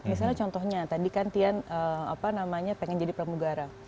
misalnya contohnya tadi kan tian pengen jadi pramugara